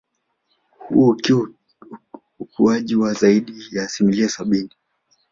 Huo ukiwa ukuaji wa zaidi ya asilimia sabini